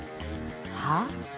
はあ？